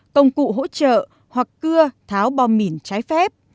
công cụ hỗ trợ hoặc cưa tháo bom mìn trái phép